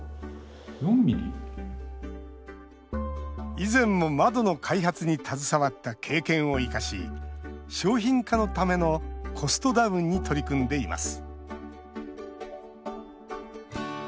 以前も窓の開発に携わった経験を生かし商品化のためのコストダウンに取り組んでいます。